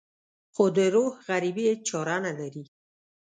خو د روح غريبي هېڅ چاره نه لري.